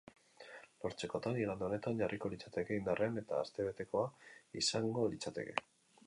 Lortzekotan, igande honetan jarriko litzateke indarrean, eta astebetekoa izango litzateke.